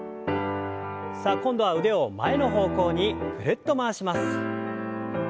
さあ今度は腕を前の方向にぐるっと回します。